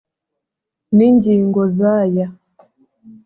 N ingingo z aya